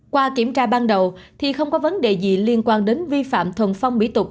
qua kiểm tra ban đầu thì không có vấn đề gì liên quan đến vi phạm thuần phong mỹ tục